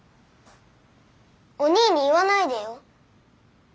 おにぃに言わないでよ。